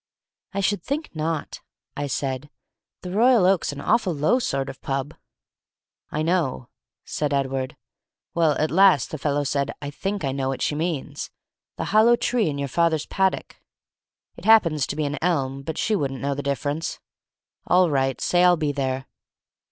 "Should think not," I said, "the Royal Oak's an awful low sort of pub." "I know," said Edward. "Well, at last the fellow said, 'I think I know what she means: the hollow tree in your father's paddock. It happens to be an elm, but she wouldn't know the difference. All right: say I'll be there.'